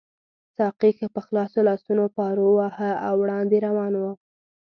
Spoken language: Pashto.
ساقي ښه په خلاصو لاسونو پارو واهه او وړاندې روان وو.